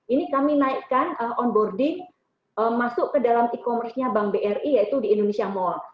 ini kami naikkan onboarding masuk ke dalam e commerce nya bank bri yaitu di indonesia mall